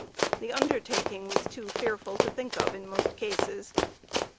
The undertaking was too fearful to think of in most cases.